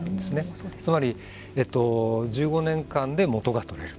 つまり、１５年間で元が取れると。